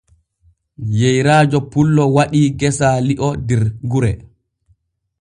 Yeyraajo pullo waɗii gesaa li'o der gure.